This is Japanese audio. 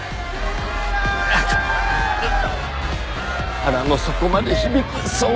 腹の底まで響く騒音。